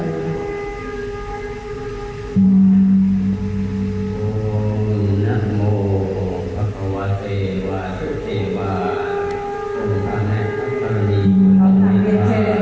ขอปรับเป็นเชิญนักพิษภูมิพิเศษศาสตรีว้าหรือบรรณาภักดิ์ประชาภิกษ์ภาค